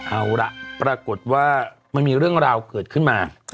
เอาล่ะปรากฏว่ามันมีเรื่องราวเกิดขึ้นมา